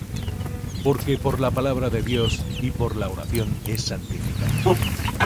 Porque por la palabra de Dios y por la oración es santificado.